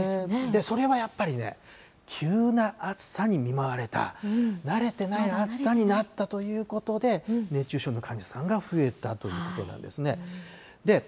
それはやっぱりね、急な暑さに見舞われた、慣れてない暑さになったということで、熱中症の患者さんが増えたということなんですね。